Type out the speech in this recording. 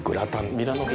ミラノ風